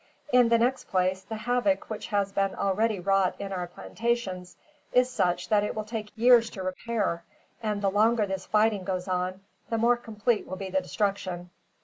In the next place, the havoc which has been already wrought in our plantations is such that it will take years to repair; and the longer this fighting goes on, the more complete will be the destruction.